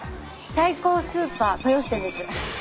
サイコウスーパー豊洲店です。